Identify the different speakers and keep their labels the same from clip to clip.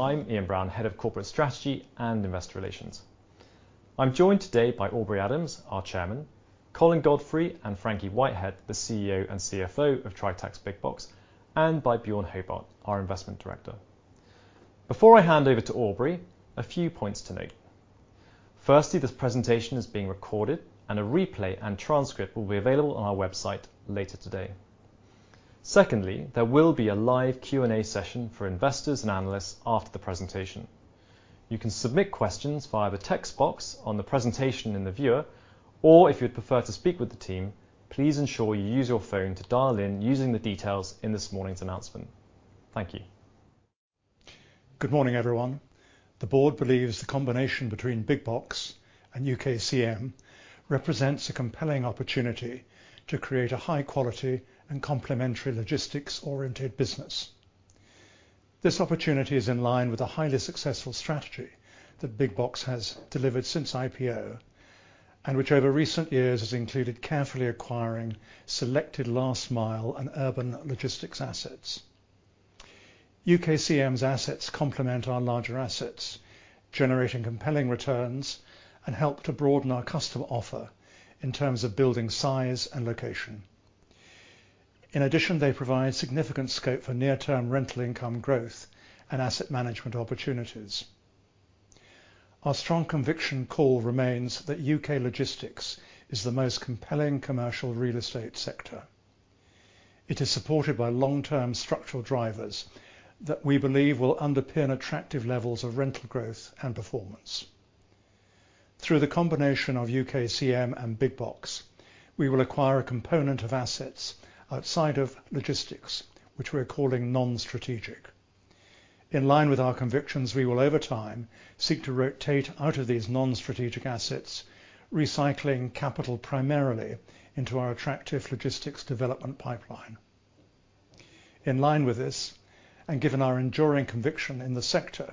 Speaker 1: I'm Ian Brown, Head of Corporate Strategy and Investor Relations. I'm joined today by Aubrey Adams, our Chairman, Colin Godfrey, and Frankie Whitehead, the CEO and CFO of Tritax Big Box, and by Bjorn Hobart, our Investment Director. Before I hand over to Aubrey, a few points to note. Firstly, this presentation is being recorded, and a replay and transcript will be available on our website later today. Secondly, there will be a live Q&A session for investors and analysts after the presentation. You can submit questions via the text box on the presentation in the viewer, or if you'd prefer to speak with the team, please ensure you use your phone to dial in using the details in this morning's announcement. Thank you.
Speaker 2: Good morning, everyone. The board believes the combination between Big Box and UKCM represents a compelling opportunity to create a high-quality and complementary logistics-oriented business. This opportunity is in line with a highly successful strategy that Big Box has delivered since IPO, and which over recent years has included carefully acquiring selected last-mile and urban logistics assets. UKCM's assets complement our larger assets, generating compelling returns and help to broaden our customer offer in terms of building size and location. In addition, they provide significant scope for near-term rental income growth and asset management opportunities. Our strong conviction call remains that UK logistics is the most compelling commercial real estate sector. It is supported by long-term structural drivers that we believe will underpin attractive levels of rental growth and performance. Through the combination of UKCM and Big Box, we will acquire a component of assets outside of logistics which we are calling non-strategic. In line with our convictions, we will over time seek to rotate out of these non-strategic assets, recycling capital primarily into our attractive logistics development pipeline. In line with this, and given our enduring conviction in the sector,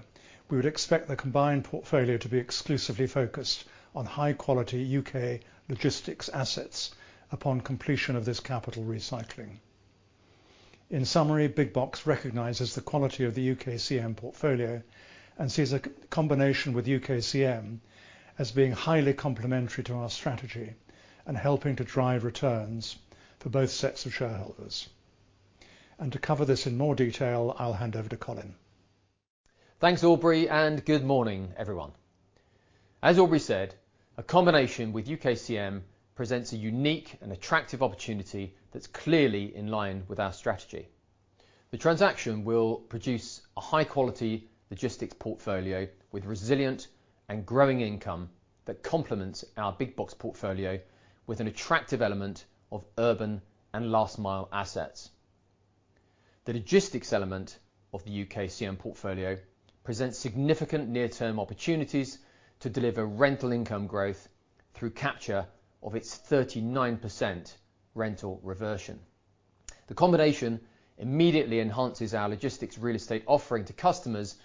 Speaker 2: we would expect the combined portfolio to be exclusively focused on high-quality UK logistics assets upon completion of this capital recycling. In summary, Big Box recognizes the quality of the UKCM portfolio and sees a combination with UKCM as being highly complementary to our strategy and helping to drive returns for both sets of shareholders. To cover this in more detail, I'll hand over to Colin.
Speaker 3: Thanks, Aubrey, and good morning, everyone. As Aubrey said, a combination with UKCM presents a unique and attractive opportunity that's clearly in line with our strategy. The transaction will produce a high-quality logistics portfolio with resilient and growing income that complements our Big Box portfolio with an attractive element of urban and last-mile assets. The logistics element of the UKCM portfolio presents significant near-term opportunities to deliver rental income growth through capture of its 39% rental reversion. The combination immediately enhances our logistics real estate offering to customers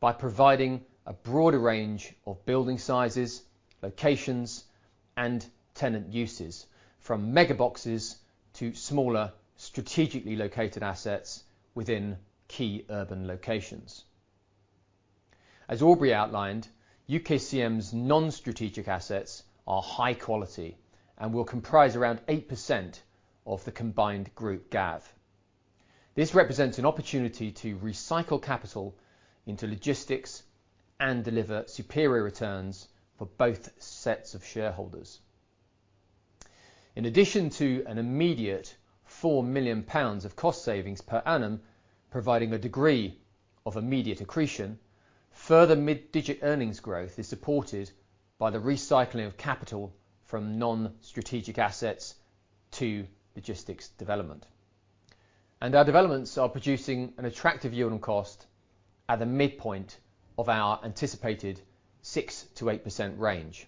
Speaker 3: by providing a broader range of building sizes, locations, and tenant uses, from megaboxes to smaller strategically located assets within key urban locations. As Aubrey outlined, UKCM's non-strategic assets are high-quality and will comprise around 8% of the combined group GAV. This represents an opportunity to recycle capital into logistics and deliver superior returns for both sets of shareholders. In addition to an immediate 4 million pounds of cost savings per annum, providing a degree of immediate accretion, further mid-digit earnings growth is supported by the recycling of capital from non-strategic assets to logistics development. Our developments are producing an attractive yield on cost at the midpoint of our anticipated 6%-8% range.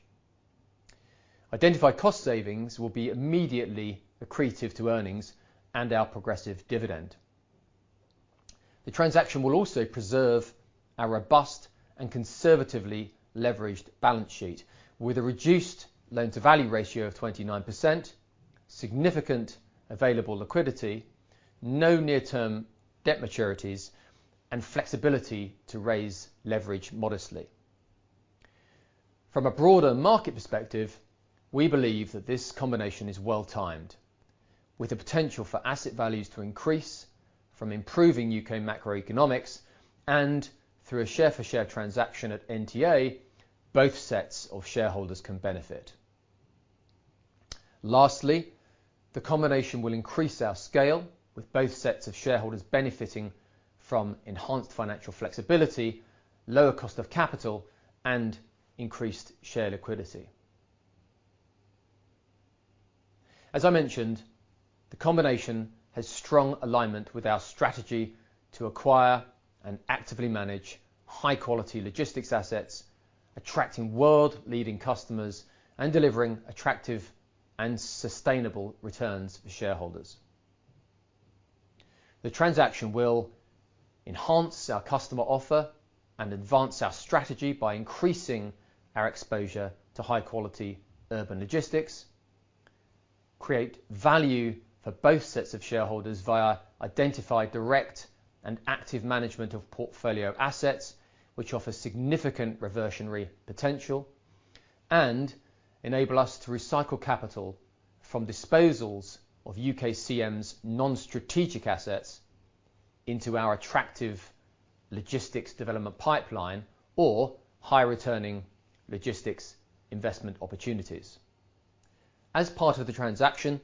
Speaker 3: Identified cost savings will be immediately accretive to earnings and our progressive dividend. The transaction will also preserve our robust and conservatively leveraged balance sheet, with a reduced loan-to-value ratio of 29%, significant available liquidity, no near-term debt maturities, and flexibility to raise leverage modestly. From a broader market perspective, we believe that this combination is well-timed, with the potential for asset values to increase from improving UK macroeconomics and through a share-for-share transaction at NTA, both sets of shareholders can benefit. Lastly, the combination will increase our scale, with both sets of shareholders benefiting from enhanced financial flexibility, lower cost of capital, and increased share liquidity. As I mentioned, the combination has strong alignment with our strategy to acquire and actively manage high-quality logistics assets, attracting world-leading customers, and delivering attractive and sustainable returns for shareholders. The transaction will enhance our customer offer and advance our strategy by increasing our exposure to high-quality urban logistics, create value for both sets of shareholders via identified direct and active management of portfolio assets, which offers significant reversionary potential, and enable us to recycle capital from disposals of UKCM's non-strategic assets into our attractive logistics development pipeline or high-returning logistics investment opportunities. As part of the transaction,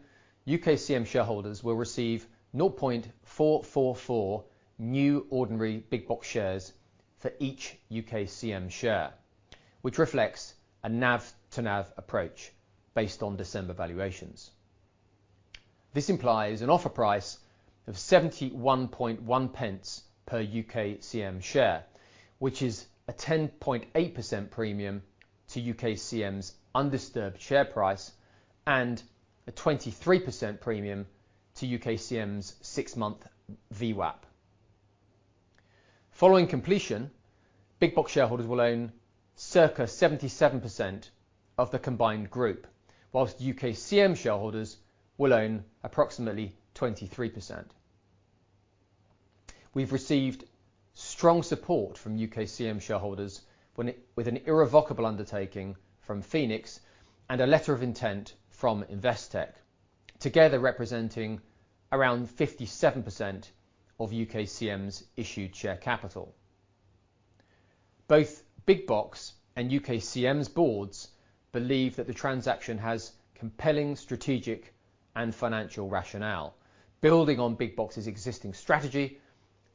Speaker 3: UKCM shareholders will receive 0.444 new ordinary Big Box shares for each UKCM share, which reflects a NAV-to-NAV approach based on December valuations. This implies an offer price of 0.711 per UKCM share, which is a 10.8% premium to UKCM's undisturbed share price and a 23% premium to UKCM's six-month VWAP. Following completion, Big Box shareholders will own circa 77% of the combined group, while UKCM shareholders will own approximately 23%. We've received strong support from UKCM shareholders with an irrevocable undertaking from Phoenix and a letter of intent from Investec, together representing around 57% of UKCM's issued share capital. Both Big Box and UKCM's boards believe that the transaction has compelling strategic and financial rationale, building on Big Box's existing strategy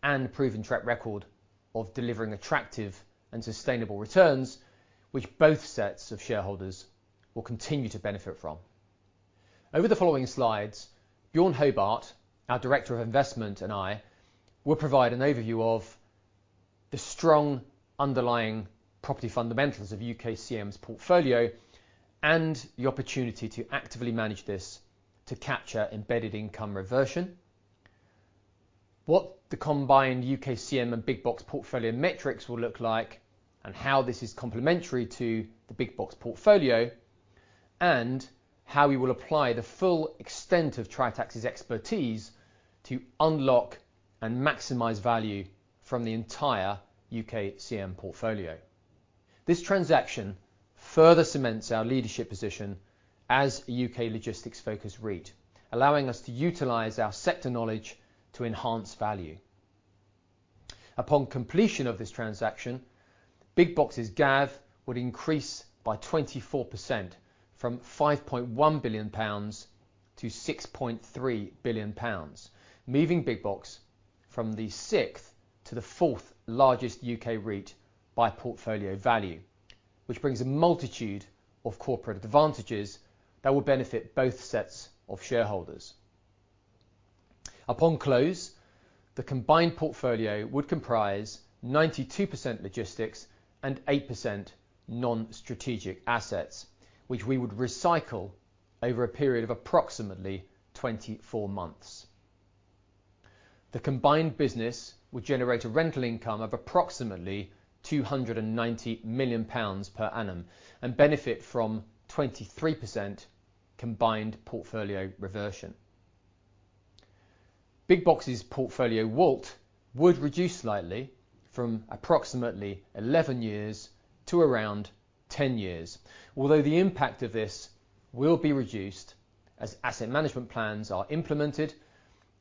Speaker 3: and proven track record of delivering attractive and sustainable returns, which both sets of shareholders will continue to benefit from. Over the following slides, Bjorn Hobart, our Director of Investment, and I will provide an overview of the strong underlying property fundamentals of UKCM's portfolio and the opportunity to actively manage this to capture embedded income reversion, what the combined UKCM and Big Box portfolio metrics will look like and how this is complementary to the Big Box portfolio, and how we will apply the full extent of Tritax's expertise to unlock and maximize value from the entire UKCM portfolio. This transaction further cements our leadership position as a UK logistics-focused REIT, allowing us to utilize our sector knowledge to enhance value. Upon completion of this transaction, Big Box's GAV would increase by 24% from 5.1 billion pounds to 6.3 billion pounds, moving Big Box from the sixth to the fourth largest UK REIT by portfolio value, which brings a multitude of corporate advantages that will benefit both sets of shareholders. Upon close, the combined portfolio would comprise 92% logistics and 8% non-strategic assets, which we would recycle over a period of approximately 24 months. The combined business would generate a rental income of approximately 290 million pounds per annum and benefit from 23% combined portfolio reversion. Big Box's portfolio WALT would reduce slightly from approximately 11 years to around 10 years, although the impact of this will be reduced as asset management plans are implemented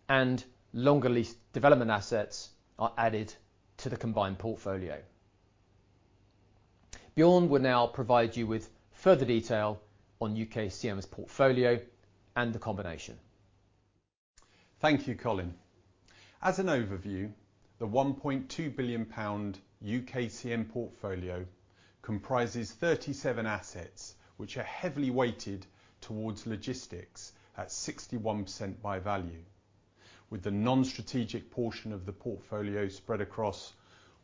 Speaker 3: and longer-leased development assets are added to the combined portfolio. Bjorn will now provide you with further detail on UKCM's portfolio and the combination.
Speaker 4: Thank you, Colin. As an overview, the 1.2 billion pound UKCM portfolio comprises 37 assets, which are heavily weighted towards logistics at 61% by value, with the non-strategic portion of the portfolio spread across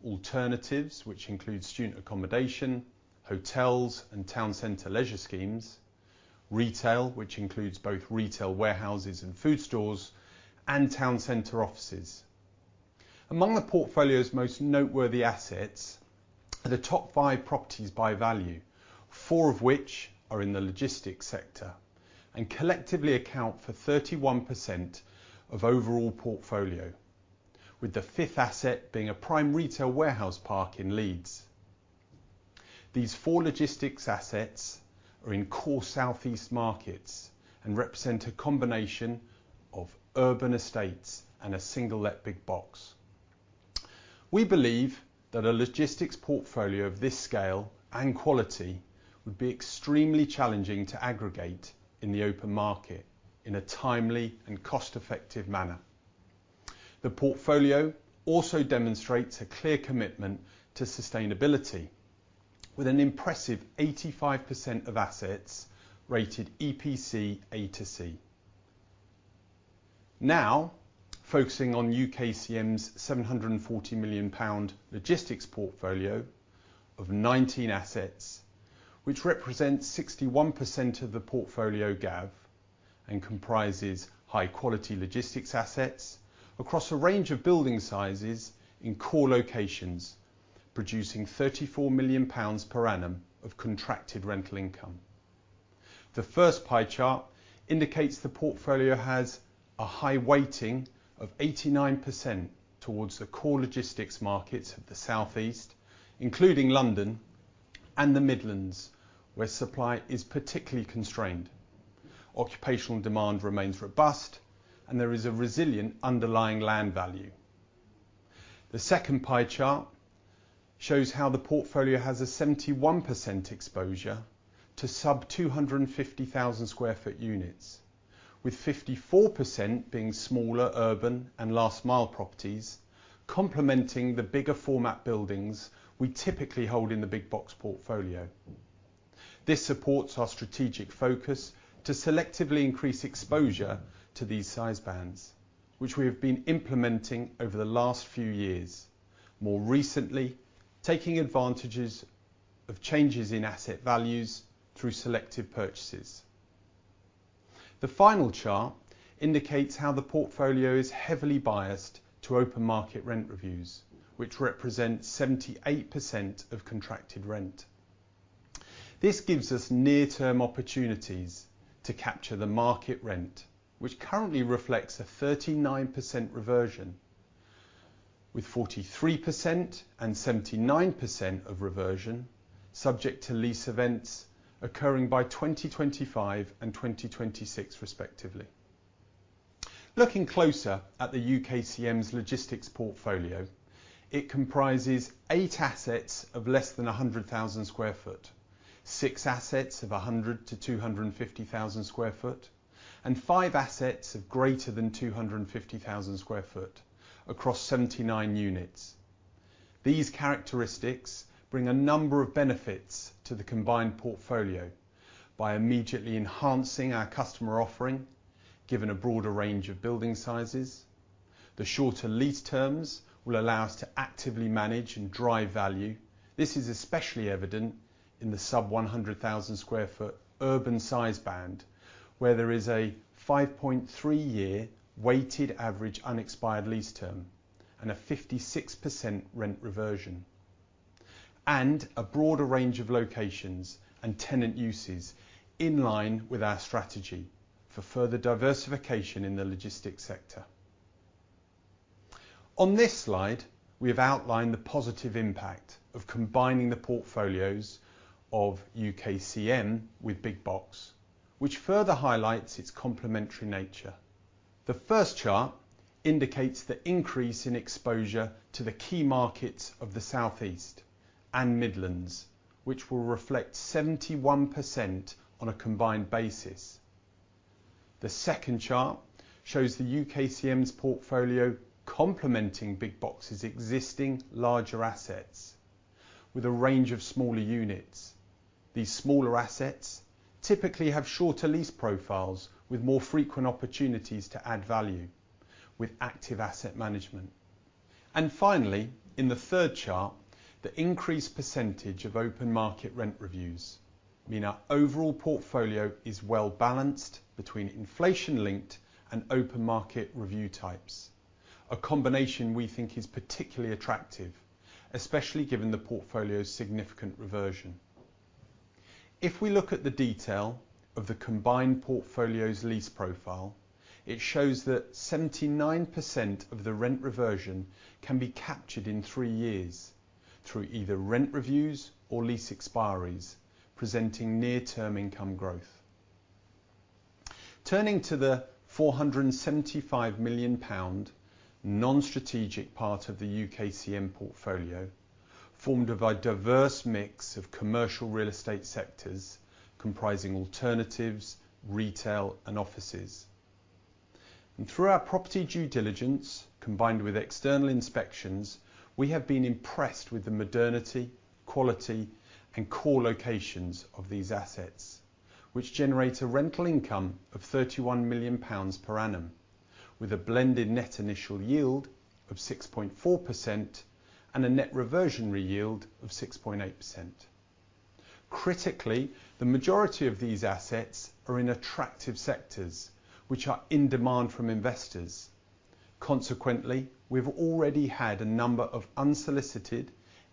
Speaker 4: alternatives, which include student accommodation, hotels, and town center leisure schemes, retail, which includes both retail warehouses and food stores, and town center offices. Among the portfolio's most noteworthy assets are the top five properties by value, four of which are in the logistics sector and collectively account for 31% of overall portfolio, with the fifth asset being a prime retail warehouse park in Leeds. These four logistics assets are in core Southeast markets and represent a combination of urban estates and a single-let Big Box. We believe that a logistics portfolio of this scale and quality would be extremely challenging to aggregate in the open market in a timely and cost-effective manner. The portfolio also demonstrates a clear commitment to sustainability, with an impressive 85% of assets rated EPC A to C. Now, focusing on UKCM's 740 million pound logistics portfolio of 19 assets, which represents 61% of the portfolio GAV and comprises high-quality logistics assets across a range of building sizes in core locations, producing 34 million pounds per annum of contracted rental income. The first pie chart indicates the portfolio has a high weighting of 89% towards the core logistics markets of the Southeast, including London and the Midlands, where supply is particularly constrained. Occupational demand remains robust, and there is a resilient underlying land value. The second pie chart shows how the portfolio has a 71% exposure to sub-250,000 sq ft units, with 54% being smaller urban and last-mile properties, complementing the bigger format buildings we typically hold in the Big Box portfolio. This supports our strategic focus to selectively increase exposure to these size bands, which we have been implementing over the last few years, more recently taking advantages of changes in asset values through selective purchases. The final chart indicates how the portfolio is heavily biased to open market rent reviews, which represent 78% of contracted rent. This gives us near-term opportunities to capture the market rent, which currently reflects a 39% reversion, with 43% and 79% of reversion subject to lease events occurring by 2025 and 2026, respectively. Looking closer at the UKCM's logistics portfolio, it comprises eight assets of less than 100,000 sq ft, six assets of 100,000-250,000 sq ft, and five assets of greater than 250,000 sq ft across 79 units. These characteristics bring a number of benefits to the combined portfolio by immediately enhancing our customer offering, given a broader range of building sizes. The shorter lease terms will allow us to actively manage and drive value. This is especially evident in the sub-100,000 sq ft urban size band, where there is a 5.3-year weighted average unexpired lease term and a 56% rent reversion, and a broader range of locations and tenant uses in line with our strategy for further diversification in the logistics sector. On this slide, we have outlined the positive impact of combining the portfolios of UKCM with Big Box, which further highlights its complementary nature. The first chart indicates the increase in exposure to the key markets of the Southeast and Midlands, which will reflect 71% on a combined basis. The second chart shows the UKCM's portfolio complementing Big Box's existing larger assets with a range of smaller units. These smaller assets typically have shorter lease profiles with more frequent opportunities to add value with active asset management. And finally, in the third chart, the increased percentage of open market rent reviews mean our overall portfolio is well-balanced between inflation-linked and open market review types, a combination we think is particularly attractive, especially given the portfolio's significant reversion. If we look at the detail of the combined portfolio's lease profile, it shows that 79% of the rent reversion can be captured in three years through either rent reviews or lease expiries, presenting near-term income growth. Turning to the 475 million pound non-strategic part of the UKCM portfolio, formed by a diverse mix of commercial real estate sectors comprising alternatives, retail, and offices. Through our property due diligence combined with external inspections, we have been impressed with the modernity, quality, and core locations of these assets, which generate a rental income of 31 million pounds per annum, with a blended net initial yield of 6.4% and a net reversionary yield of 6.8%. Critically, the majority of these assets are in attractive sectors, which are in demand from investors. Consequently, we've already had a number of unsolicited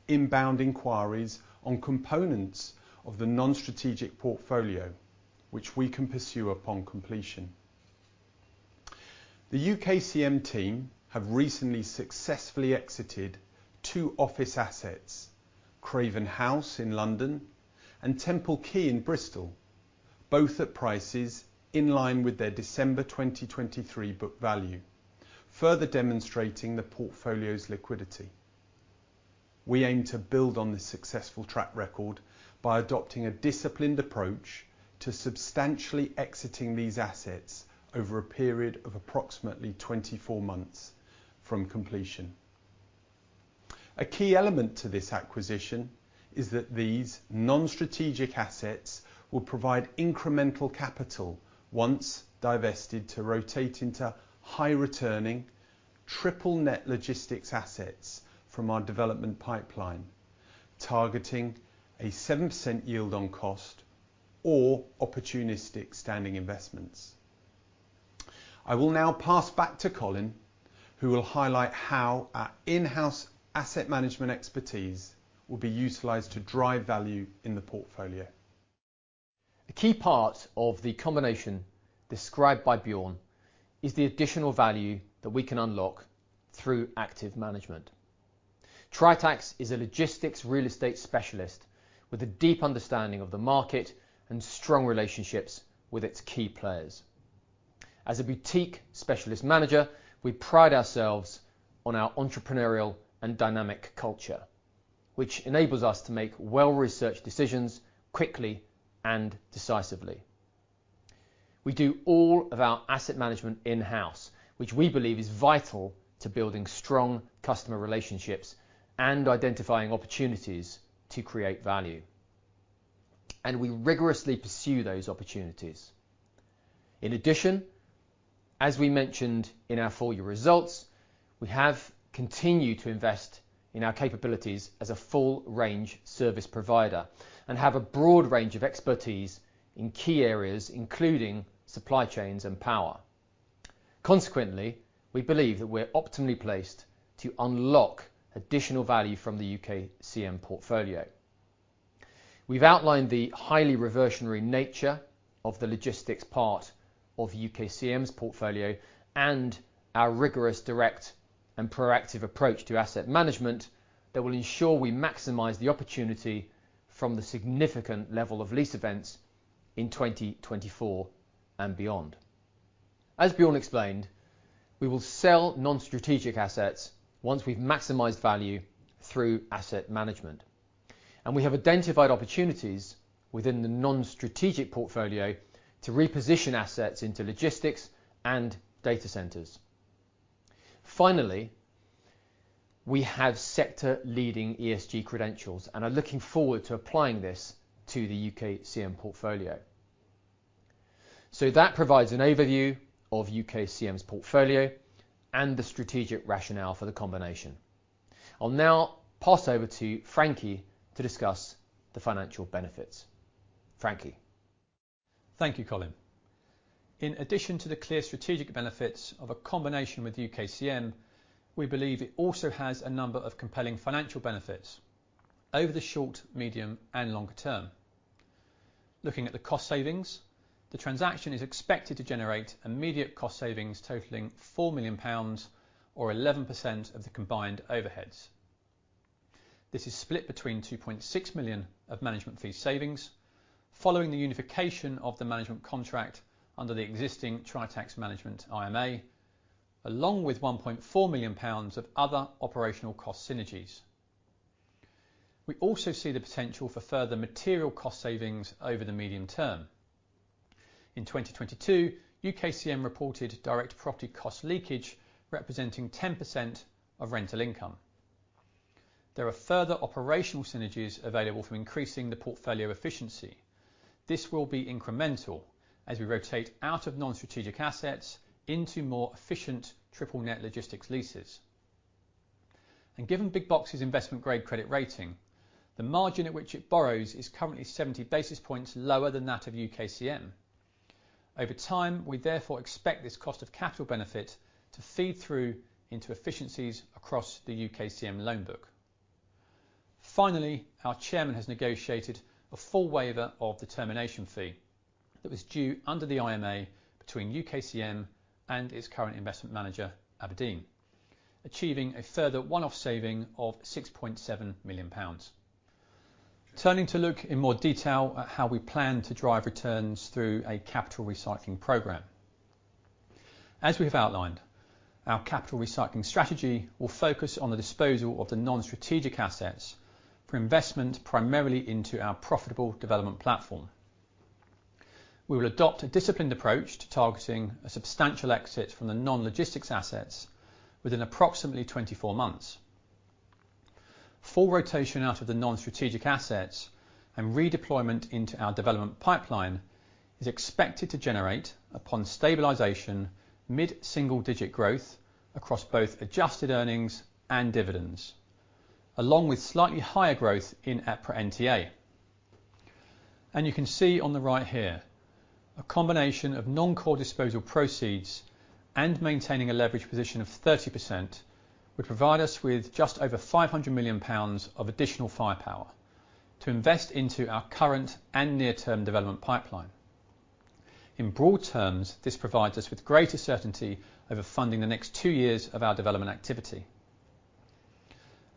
Speaker 4: inbound inquiries on components of the non-strategic portfolio, which we can pursue upon completion. The UKCM team have recently successfully exited two office assets, Craven House in London and Temple Quay in Bristol, both at prices in line with their December 2023 book value, further demonstrating the portfolio's liquidity. We aim to build on this successful track record by adopting a disciplined approach to substantially exiting these assets over a period of approximately 24 months from completion. A key element to this acquisition is that these non-strategic assets will provide incremental capital once divested to rotate into high-returning, triple-net logistics assets from our development pipeline, targeting a 7% yield on cost or opportunistic standing investments. I will now pass back to Colin, who will highlight how our in-house asset management expertise will be utilized to drive value in the portfolio.
Speaker 3: A key part of the combination described by Bjorn is the additional value that we can unlock through active management. Tritax is a logistics real estate specialist with a deep understanding of the market and strong relationships with its key players. As a boutique specialist manager, we pride ourselves on our entrepreneurial and dynamic culture, which enables us to make well-researched decisions quickly and decisively. We do all of our asset management in-house, which we believe is vital to building strong customer relationships and identifying opportunities to create value, and we rigorously pursue those opportunities. In addition, as we mentioned in our full year results, we have continued to invest in our capabilities as a full-range service provider and have a broad range of expertise in key areas, including supply chains and power. Consequently, we believe that we're optimally placed to unlock additional value from the UKCM portfolio. We've outlined the highly reversionary nature of the logistics part of UKCM's portfolio and our rigorous, direct, and proactive approach to asset management that will ensure we maximize the opportunity from the significant level of lease events in 2024 and beyond. As Bjorn explained, we will sell non-strategic assets once we've maximized value through asset management, and we have identified opportunities within the non-strategic portfolio to reposition assets into logistics and data centers. Finally, we have sector-leading ESG credentials, and I'm looking forward to applying this to the UKCM portfolio. That provides an overview of UKCM's portfolio and the strategic rationale for the combination. I'll now pass over to Frankie to discuss the financial benefits. Frankie.
Speaker 5: Thank you, Colin. In addition to the clear strategic benefits of a combination with UKCM, we believe it also has a number of compelling financial benefits over the short, medium, and longer term. Looking at the cost savings, the transaction is expected to generate immediate cost savings totaling 4 million pounds or 11% of the combined overheads. This is split between 2.6 million of management fees savings following the unification of the management contract under the existing Tritax Management IMA, along with 1.4 million pounds of other operational cost synergies. We also see the potential for further material cost savings over the medium term. In 2022, UKCM reported direct property cost leakage representing 10% of rental income. There are further operational synergies available from increasing the portfolio efficiency. This will be incremental as we rotate out of non-strategic assets into more efficient triple-net logistics leases. Given Big Box's investment-grade credit rating, the margin at which it borrows is currently 70 basis points lower than that of UKCM. Over time, we therefore expect this cost of capital benefit to feed through into efficiencies across the UKCM loanbook. Finally, our chairman has negotiated a full waiver of the termination fee that was due under the IMA between UKCM and its current investment manager, abrdn, achieving a further one-off saving of 6.7 million pounds. Turning to look in more detail at how we plan to drive returns through a capital recycling program. As we have outlined, our capital recycling strategy will focus on the disposal of the non-strategic assets for investment primarily into our profitable development platform. We will adopt a disciplined approach to targeting a substantial exit from the non-logistics assets within approximately 24 months. Full rotation out of the non-strategic assets and redeployment into our development pipeline is expected to generate, upon stabilization, mid-single-digit growth across both adjusted earnings and dividends, along with slightly higher growth in EPRA NTA. You can see on the right here, a combination of non-core disposal proceeds and maintaining a leveraged position of 30% would provide us with just over 500 million pounds of additional firepower to invest into our current and near-term development pipeline. In broad terms, this provides us with greater certainty over funding the next two years of our development activity.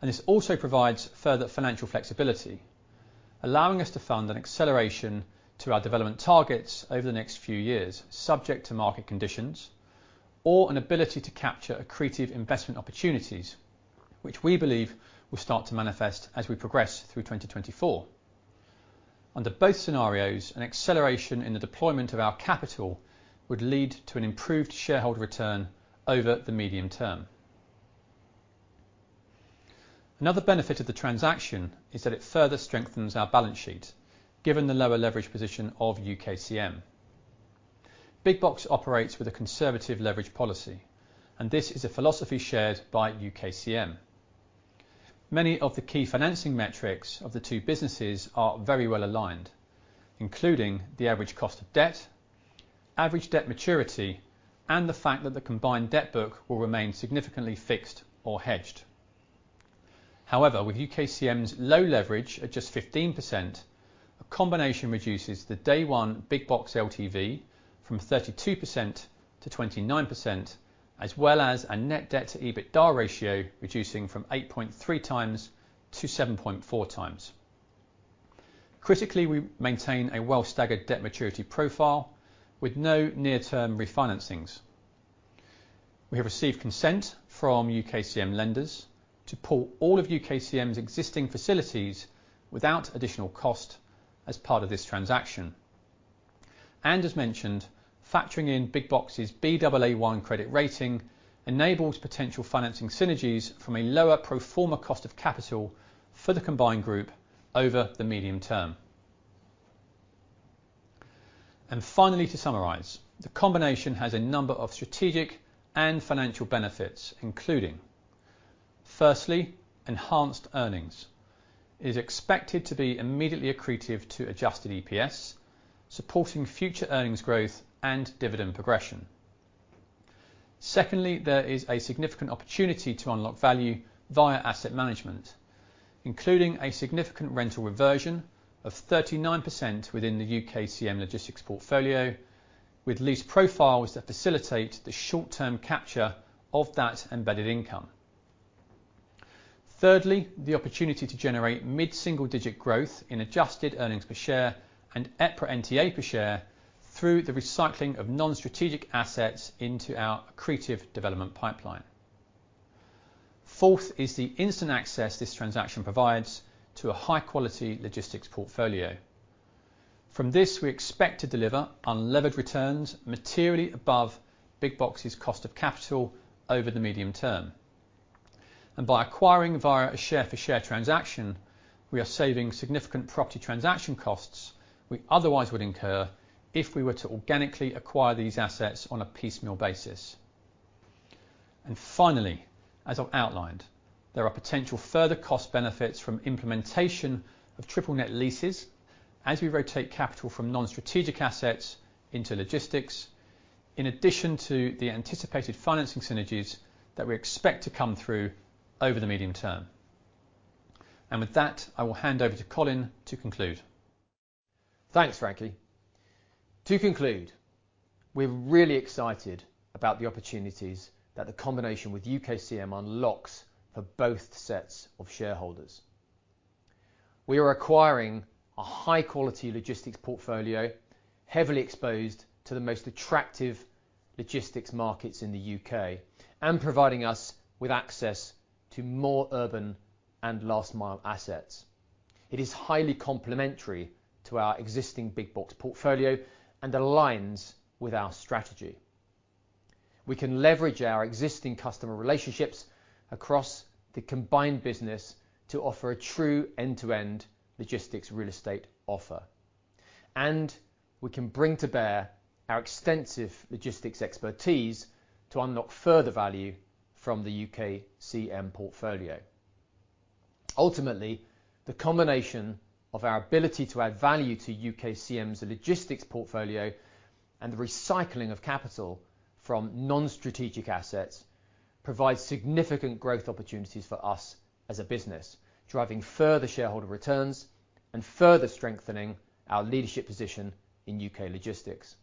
Speaker 5: This also provides further financial flexibility, allowing us to fund an acceleration to our development targets over the next few years, subject to market conditions, or an ability to capture accretive investment opportunities, which we believe will start to manifest as we progress through 2024. Under both scenarios, an acceleration in the deployment of our capital would lead to an improved shareholder return over the medium term. Another benefit of the transaction is that it further strengthens our balance sheet, given the lower leveraged position of UKCM. Big Box operates with a conservative leverage policy, and this is a philosophy shared by UKCM. Many of the key financing metrics of the two businesses are very well aligned, including the average cost of debt, average debt maturity, and the fact that the combined debt book will remain significantly fixed or hedged. However, with UKCM's low leverage at just 15%, a combination reduces the day-one Big Box LTV from 32%-29%, as well as a net debt-to-EBITDA ratio reducing from 8.3 times to 7.4 times. Critically, we maintain a well-staggered debt maturity profile with no near-term refinancings. We have received consent from UKCM lenders to pull all of UKCM's existing facilities without additional cost as part of this transaction. As mentioned, factoring in Big Box's Baa1 credit rating enables potential financing synergies from a lower pro forma cost of capital for the combined group over the medium term. Finally, to summarize, the combination has a number of strategic and financial benefits, including: Firstly, enhanced earnings. It is expected to be immediately accretive to adjusted EPS, supporting future earnings growth and dividend progression. Secondly, there is a significant opportunity to unlock value via asset management, including a significant rental reversion of 39% within the UKCM logistics portfolio, with lease profiles that facilitate the short-term capture of that embedded income. Thirdly, the opportunity to generate mid-single-digit growth in adjusted earnings per share and EPRA NTA per share through the recycling of non-strategic assets into our accretive development pipeline. Fourth is the instant access this transaction provides to a high-quality logistics portfolio. From this, we expect to deliver unlevered returns materially above Big Box's cost of capital over the medium term. And by acquiring via a share-for-share transaction, we are saving significant property transaction costs we otherwise would incur if we were to organically acquire these assets on a piecemeal basis. And finally, as I've outlined, there are potential further cost benefits from implementation of triple-net leases as we rotate capital from non-strategic assets into logistics, in addition to the anticipated financing synergies that we expect to come through over the medium term. And with that, I will hand over to Colin to conclude.
Speaker 3: Thanks, Frankie. To conclude, we're really excited about the opportunities that the combination with UKCM unlocks for both sets of shareholders. We are acquiring a high-quality logistics portfolio heavily exposed to the most attractive logistics markets in the U.K. and providing us with access to more urban and last-mile assets. It is highly complementary to our existing Big Box portfolio and aligns with our strategy. We can leverage our existing customer relationships across the combined business to offer a true end-to-end logistics real estate offer. And we can bring to bear our extensive logistics expertise to unlock further value from the UKCM portfolio. Ultimately, the combination of our ability to add value to UKCM's logistics portfolio and the recycling of capital from non-strategic assets provides significant growth opportunities for us as a business, driving further shareholder returns and further strengthening our leadership position in U.K. logistics.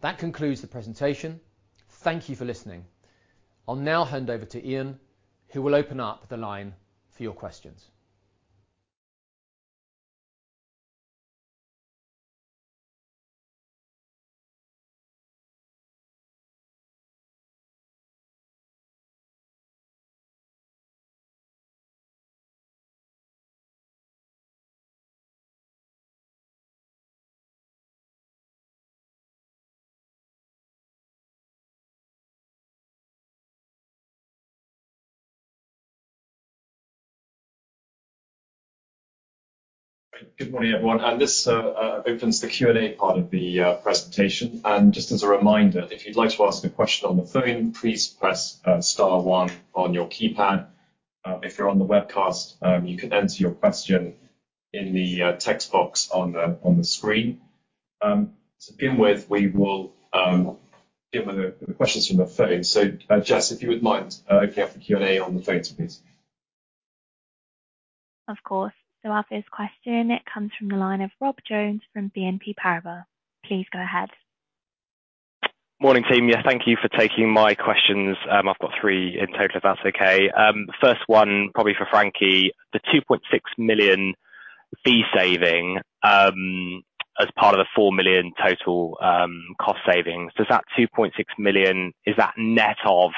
Speaker 3: That concludes the presentation. Thank you for listening. I'll now hand over to Ian, who will open up the line for your questions.
Speaker 1: Good morning, everyone. This opens the Q&A part of the presentation. Just as a reminder, if you'd like to ask a question on the phone, please press star one on your keypad. If you're on the webcast, you can enter your question in the text box on the screen. To begin with, we will begin with the questions from the phone. Jess, if you would mind opening up the Q&A on the phone, please.
Speaker 6: Of course. So our first question, it comes from the line of Rob Jones from BNP Paribas. Please go ahead.
Speaker 7: Morning, team. Yeah, thank you for taking my questions. I've got three in total, if that's okay. First one, probably for Frankie, the 2.6 million fee saving as part of the 4 million total cost savings, is that net of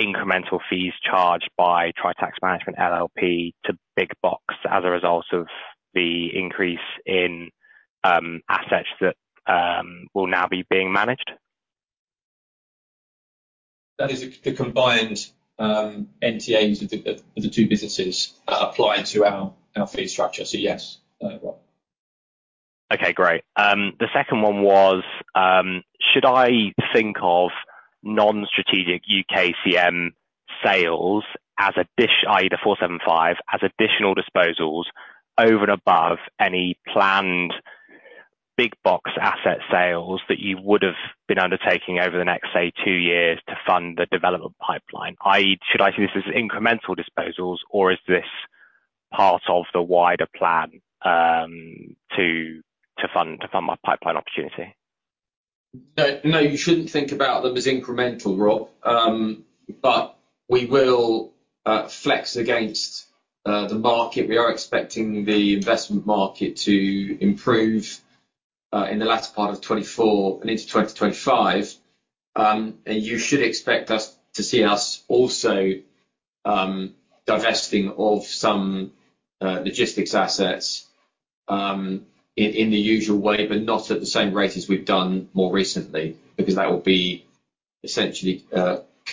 Speaker 7: incremental fees charged by Tritax Management LLP to Big Box as a result of the increase in assets that will now be being managed?
Speaker 3: That is the combined NTAs of the two businesses applied to our fee structure. So yes, Rob.
Speaker 7: Okay, great. The second one was, should I think of non-strategic UKCM sales as either 475 as additional disposals over and above any planned Big Box asset sales that you would have been undertaking over the next, say, two years to fund the development pipeline? Should I see this as incremental disposals, or is this part of the wider plan to fund my pipeline opportunity?
Speaker 3: No, you shouldn't think about them as incremental, Rob. But we will flex against the market. We are expecting the investment market to improve in the latter part of 2024 and into 2025. And you should expect us to see us also divesting of some logistics assets in the usual way, but not at the same rate as we've done more recently, because that will be essentially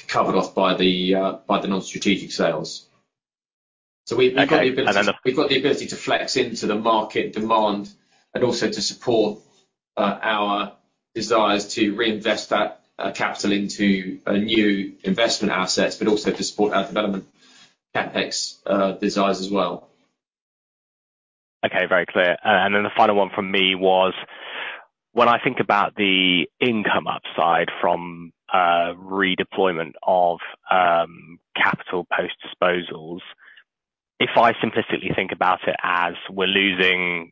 Speaker 3: covered off by the non-strategic sales. So we've got the ability to flex into the market demand and also to support our desires to reinvest that capital into new investment assets, but also to support our development CapEx desires as well.
Speaker 7: Okay, very clear. And then the final one from me was, when I think about the income upside from redeployment of capital post-disposals, if I simplistically think about it as we're losing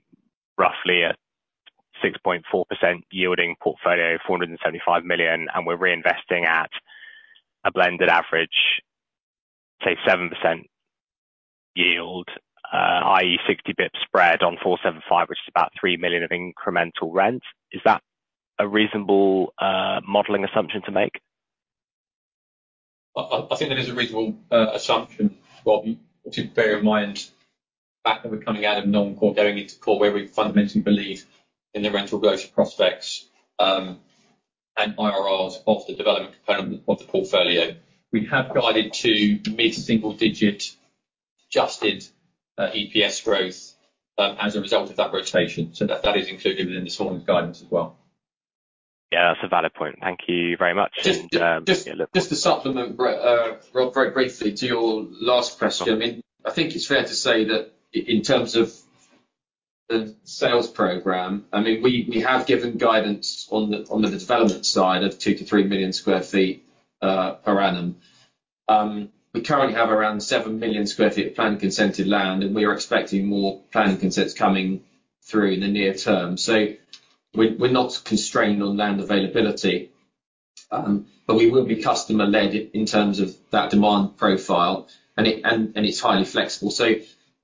Speaker 7: roughly a 6.4% yielding portfolio, 475 million, and we're reinvesting at a blended average, say, 7% yield, i.e., 60 bps spread on 475, which is about 3 million of incremental rent, is that a reasonable modelling assumption to make?
Speaker 3: I think that is a reasonable assumption, Rob, to bear in mind the fact that we're coming out of non-core going into core, where we fundamentally believe in the rental growth prospects and IRRs of the development component of the portfolio. We have guided to mid-single-digit adjusted EPS growth as a result of that rotation. So that is included within this morning's guidance as well.
Speaker 7: Yeah, that's a valid point. Thank you very much. And.
Speaker 3: Just to supplement, Rob, very briefly to your last question, I think it's fair to say that in terms of the sales program, I mean, we have given guidance on the development side of 2-3 million sq ft per annum. We currently have around 7 million sq ft of planning consented land, and we are expecting more planning consents coming through in the near term. So we're not constrained on land availability, but we will be customer-led in terms of that demand profile, and it's highly flexible. So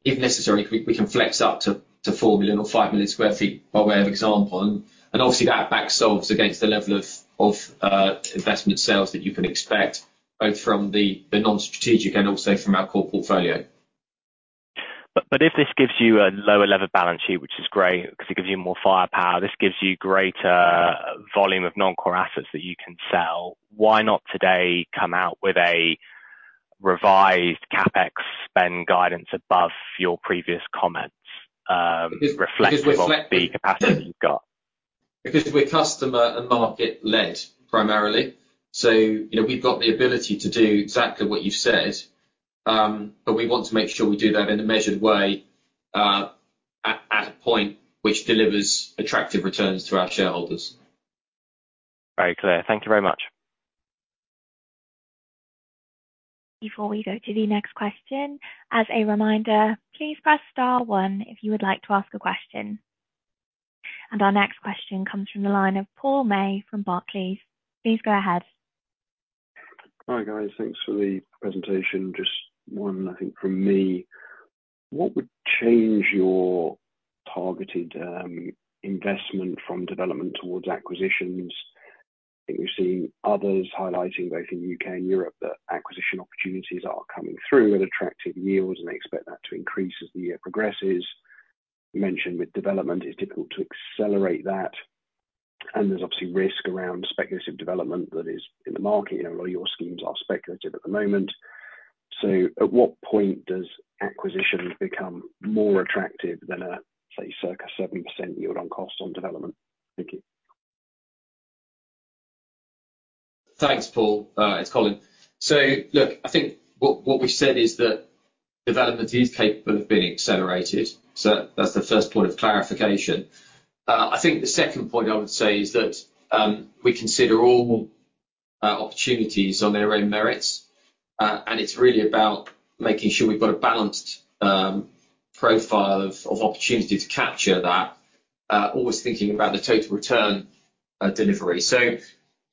Speaker 3: if necessary, we can flex up to 4 million or 5 million sq ft, by way of example. And obviously, that backsolves against the level of investment sales that you can expect, both from the non-strategic and also from our core portfolio.
Speaker 7: But if this gives you a lower-level balance sheet, which is great because it gives you more firepower, this gives you greater volume of non-core assets that you can sell, why not today come out with a revised CapEx spend guidance above your previous comments, reflecting what the capacity that you've got?
Speaker 3: Because we're customer and market-led primarily. So we've got the ability to do exactly what you've said, but we want to make sure we do that in a measured way at a point which delivers attractive returns to our shareholders.
Speaker 7: Very clear. Thank you very much.
Speaker 6: Before we go to the next question, as a reminder, please press star one if you would like to ask a question. Our next question comes from the line of Paul May from Barclays. Please go ahead.
Speaker 8: Hi guys. Thanks for the presentation. Just one, I think, from me. What would change your targeted investment from development towards acquisitions? I think we've seen others highlighting both in the UK and Europe that acquisition opportunities are coming through at attractive yields, and they expect that to increase as the year progresses. You mentioned with development, it's difficult to accelerate that. And there's obviously risk around speculative development that is in the market. A lot of your schemes are speculative at the moment. So at what point does acquisition become more attractive than a, say, circa 7% yield on cost on development? Thank you.
Speaker 3: Thanks, Paul. It's Colin. So look, I think what we've said is that development is capable of being accelerated. So that's the first point of clarification. I think the second point I would say is that we consider all opportunities on their own merits. And it's really about making sure we've got a balanced profile of opportunity to capture that, always thinking about the total return delivery. So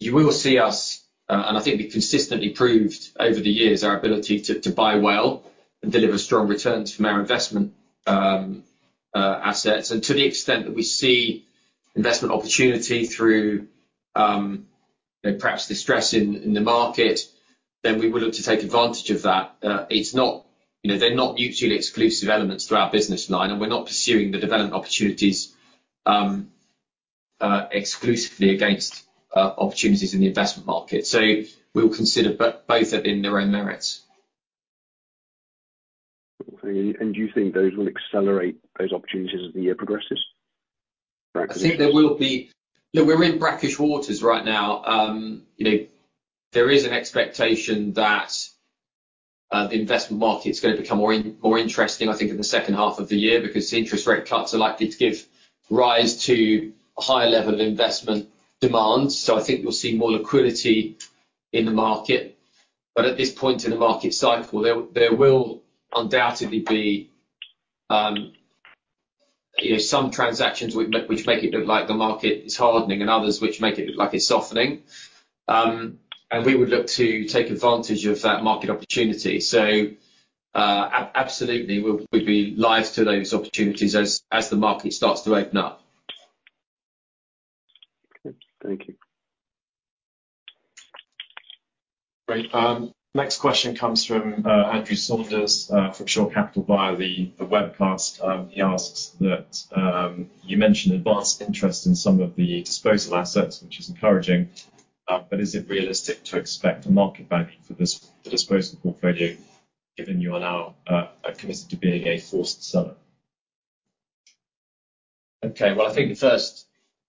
Speaker 3: you will see us, and I think we've consistently proved over the years our ability to buy well and deliver strong returns from our investment assets. And to the extent that we see investment opportunity through perhaps distress in the market, then we will look to take advantage of that. They're not mutually exclusive elements to our business line, and we're not pursuing the development opportunities exclusively against opportunities in the investment market. So we'll consider both at their own merits.
Speaker 8: Do you think those will accelerate those opportunities as the year progresses, Frank?
Speaker 3: I think there will be. Look, we're in brackish waters right now. There is an expectation that the investment market's going to become more interesting, I think, in the second half of the year because interest rate cuts are likely to give rise to a higher level of investment demand. So I think you'll see more liquidity in the market. But at this point in the market cycle, there will undoubtedly be some transactions which make it look like the market is hardening and others which make it look like it's softening. And we would look to take advantage of that market opportunity. So absolutely, we'd be live to those opportunities as the market starts to open up.
Speaker 8: Okay. Thank you.
Speaker 1: Great. Next question comes from Andrew Saunders from Shore Capital via the webcast. He asks that you mentioned advanced interest in some of the disposal assets, which is encouraging, but is it realistic to expect a market value for this disposal portfolio given you are now committed to being a forced seller?
Speaker 3: Okay. Well, I think the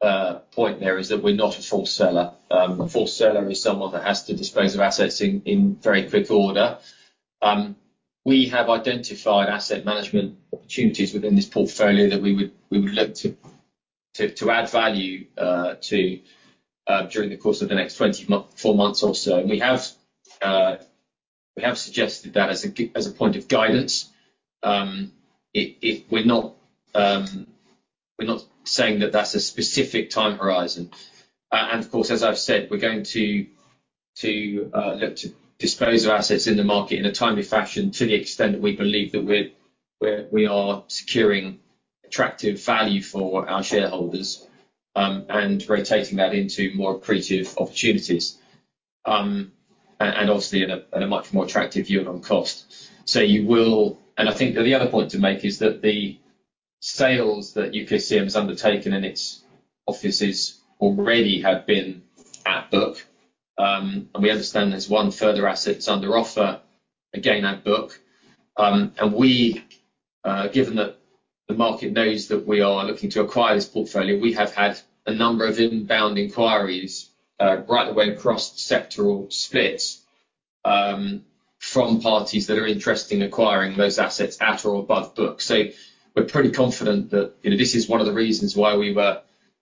Speaker 3: first point there is that we're not a forced seller. A forced seller is someone that has to dispose of assets in very quick order. We have identified asset management opportunities within this portfolio that we would look to add value to during the course of the next four months or so. And we have suggested that as a point of guidance. We're not saying that that's a specific time horizon. Of course, as I've said, we're going to look to dispose of assets in the market in a timely fashion to the extent that we believe that we are securing attractive value for our shareholders and rotating that into more accretive opportunities and obviously at a much more attractive yield on cost. I think the other point to make is that the sales that UKCM has undertaken and its offices already have been at book. We understand there's one further asset that's under offer, again, at book. Given that the market knows that we are looking to acquire this portfolio, we have had a number of inbound inquiries right away across sectoral splits from parties that are interested in acquiring those assets at or above book. So we're pretty confident that this is one of the reasons why we were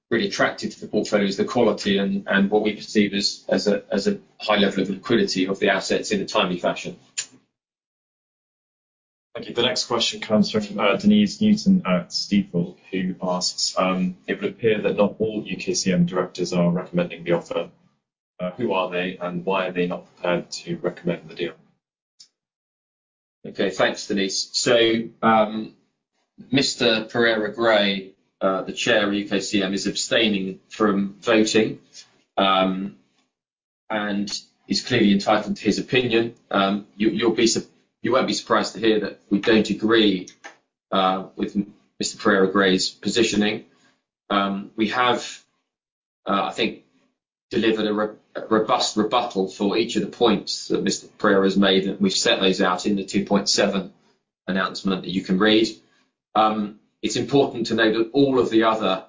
Speaker 3: really attracted to the portfolio, is the quality and what we perceive as a high level of liquidity of the assets in a timely fashion.
Speaker 1: Thank you. The next question comes from Denese Newton at Stifel, who asks, "It would appear that not all UKCM directors are recommending the offer. Who are they, and why are they not prepared to recommend the deal?"
Speaker 3: Okay. Thanks, Denese. So Mr. Pereira Gray, the Chair of UKCM, is abstaining from voting and is clearly entitled to his opinion. You won't be surprised to hear that we don't agree with Mr. Pereira Gray's positioning. We have, I think, delivered a robust rebuttal for each of the points that Mr. Pereira has made, and we've set those out in the 2.7 announcement that you can read. It's important to note that all of the other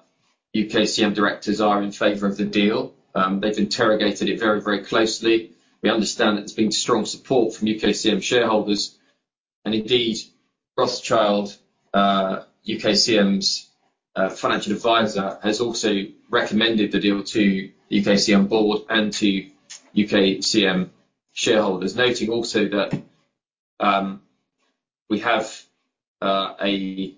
Speaker 3: UKCM directors are in favor of the deal. They've interrogated it very, very closely. We understand that there's been strong support from UKCM shareholders. And indeed, Rothschild, UKCM's financial advisor, has also recommended the deal to the UKCM board and to UKCM shareholders, noting also that we have a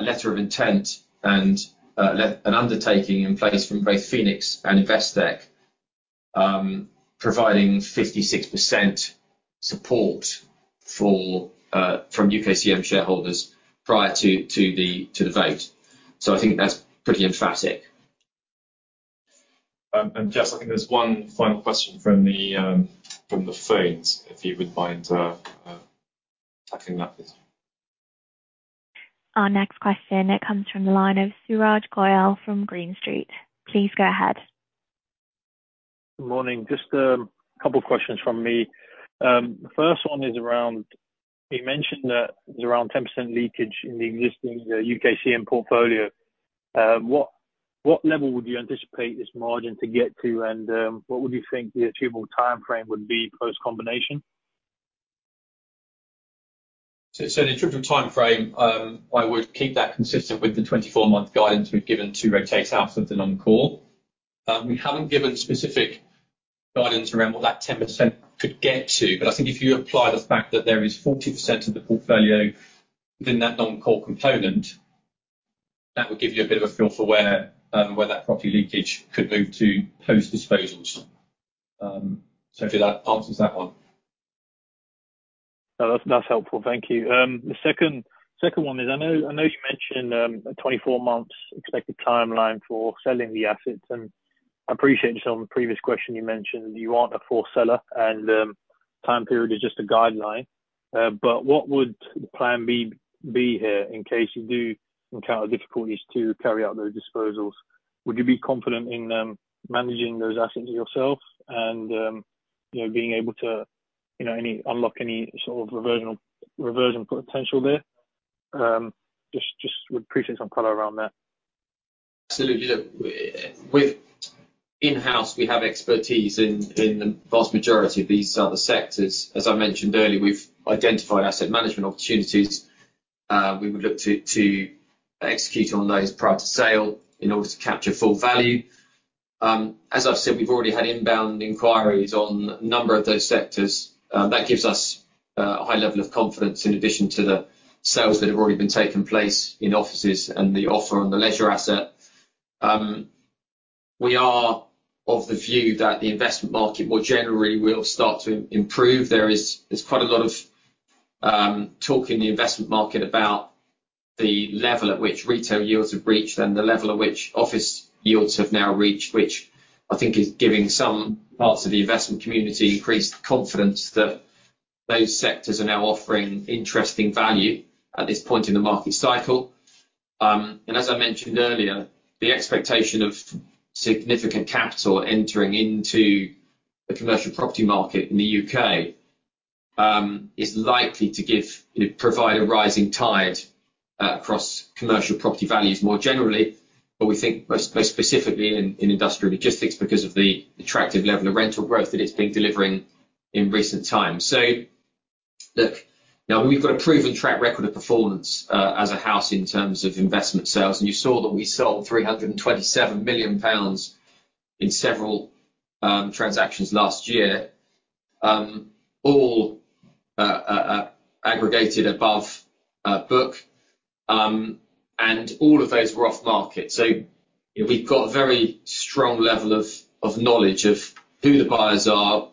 Speaker 3: letter of intent and an undertaking in place from both Phoenix and Investec providing 56% support from UKCM shareholders prior to the vote. So I think that's pretty emphatic.
Speaker 1: And Jess, I think there's one final question from the phones, if you would mind tackling that please.
Speaker 6: Our next question, it comes from the line of Suraj Goyal from Green Street. Please go ahead.
Speaker 9: Good morning. Just a couple of questions from me. The first one is around you mentioned that there's around 10% leakage in the existing UKCM portfolio. What level would you anticipate this margin to get to, and what would you think the achievable timeframe would be post-combination?
Speaker 3: In the interim timeframe, I would keep that consistent with the 24-month guidance we've given to rotate out of the non-core. We haven't given specific guidance around what that 10% could get to. But I think if you apply the fact that there is 40% of the portfolio within that non-core component, that would give you a bit of a feel for where that property leakage could move to post-disposals. I feel that answers that one.
Speaker 9: No, that's helpful. Thank you. The second one is, I know you mentioned a 24-month expected timeline for selling the assets. And I appreciate, just on the previous question, you mentioned you aren't a forced seller, and time period is just a guideline. But what would the plan be here in case you do encounter difficulties to carry out those disposals? Would you be confident in managing those assets yourself and being able to unlock any sort of reversion potential there? Just would appreciate some color around that.
Speaker 3: Absolutely. Look, in-house, we have expertise in the vast majority of these other sectors. As I mentioned earlier, we've identified asset management opportunities. We would look to execute on those prior to sale in order to capture full value. As I've said, we've already had inbound inquiries on a number of those sectors. That gives us a high level of confidence in addition to the sales that have already been taken place in offices and the offer on the leisure asset. We are of the view that the investment market more generally will start to improve. There's quite a lot of talk in the investment market about the level at which retail yields have reached and the level at which office yields have now reached, which I think is giving some parts of the investment community increased confidence that those sectors are now offering interesting value at this point in the market cycle. And as I mentioned earlier, the expectation of significant capital entering into the commercial property market in the UK is likely to provide a rising tide across commercial property values more generally, but we think most specifically in industrial logistics because of the attractive level of rental growth that it's been delivering in recent times. So look, now we've got a proven track record of performance as a house in terms of investment sales. And you saw that we sold GBP 327 million in several transactions last year, all aggregated above book. All of those were off-market. We've got a very strong level of knowledge of who the buyers are,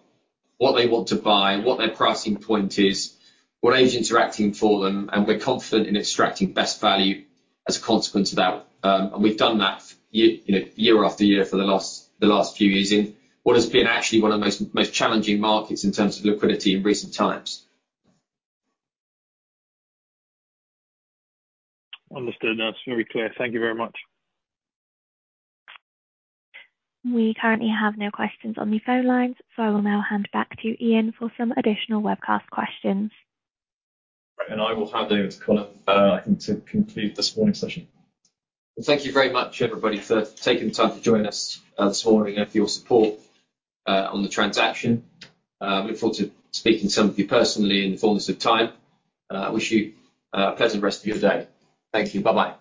Speaker 3: what they want to buy, what their pricing point is, what agents are acting for them. We're confident in extracting best value as a consequence of that. We've done that year after year for the last few years in what has been actually one of the most challenging markets in terms of liquidity in recent times.
Speaker 9: Understood. That's very clear. Thank you very much.
Speaker 6: We currently have no questions on the phone lines, so I will now hand back to Ian for some additional webcast questions.
Speaker 1: I will hand over to Colin, I think, to conclude this morning's session.
Speaker 3: Well, thank you very much, everybody, for taking the time to join us this morning and for your support on the transaction. I look forward to speaking to some of you personally in the fullness of time. I wish you a pleasant rest of your day. Thank you. Bye-bye.